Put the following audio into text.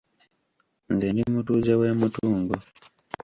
Nze ndi mutuuze w’e Mutungo.